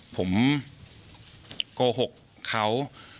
ผมโกหกเขา